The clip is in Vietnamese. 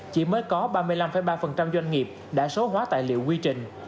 chỉ mới có ba mươi năm ba doanh nghiệp đã số hóa tài liệu quy trình